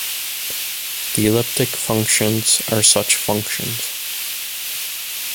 The elliptic functions are such functions.